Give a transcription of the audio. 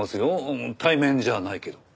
対面じゃないけど。